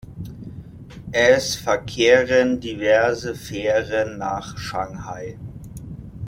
Es verkehren diverse Fähren nach Shanghai.